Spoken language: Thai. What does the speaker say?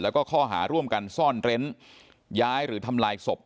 แล้วก็ข้อหาร่วมกันซ่อนเร้นย้ายหรือทำลายศพ